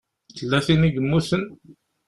Tella tin i yemmuten?